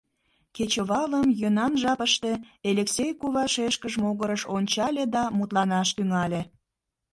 Кечывалым йӧнан жапыште Элексей кува шешкыж могырыш ончале да мутланаш тӱҥале.